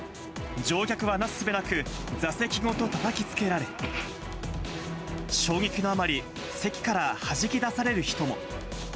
乗客はなすすべなく、座席ごとたたきつけられ、衝撃のあまり、席からはじき出される人も。